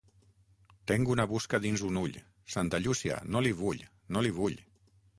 Tenc una busca dins un ull, Santa Llúcia, no l'hi vull, no l'hi vull.